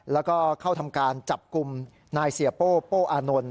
แล้วก็เข้าทำการจับกลุ่มนายเสียโป้โป้อานนท์